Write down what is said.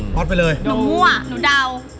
อือออดไปเลยหนูมั่วหนูเดา